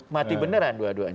mati beneran dua duanya